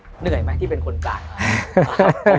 เหนื่อยไหมที่เป็นคนกลาง